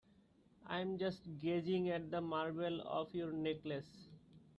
I'm just gazing at the marble of your necklace.